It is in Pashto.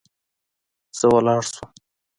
زه ولاړ سوم.